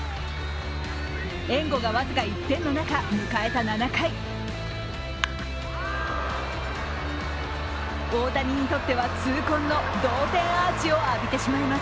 援護が僅か１点の中迎えた７回大谷にとっては痛恨の同点アーチを浴びてしまいます。